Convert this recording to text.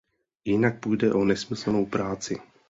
Jinak půjde o nesmyslnou práci.